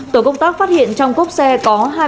tổ công tác phát hiện trong cốc xe có